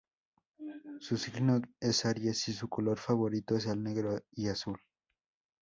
Su signo es Aries y su Color Favorito es el Negro y Azul.